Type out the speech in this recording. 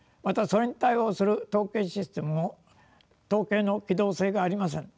またそれに対応する統計システムも統計の機動性がありません。